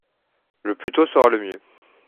Le plus tôt sera le mieux.